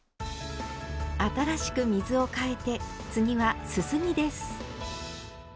新しく水をかえて次はすすぎです。